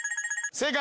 正解！